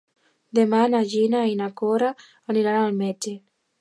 Demà na Gina i na Cora aniran al metge.